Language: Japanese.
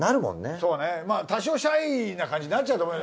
そうね多少シャイな感じになっちゃうと思う。